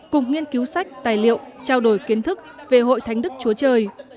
cùng nghiên cứu sách tài liệu trao đổi kiến thức về hội thánh đức chúa trời